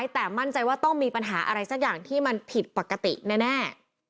แต่มั่นใจว่าต้องมีปัญหาอะไรสักอย่างที่มันผิดปกติแน่